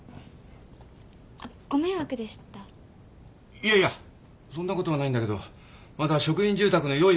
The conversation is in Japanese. いやいやそんなことはないんだけどまだ職員住宅の用意